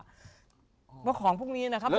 เพราะของพวกนี้นะครับ